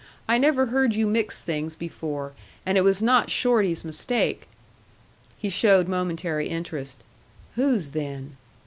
"I never heard you mix things before. And it was not Shorty's mistake." He showed momentary interest. "Whose then?"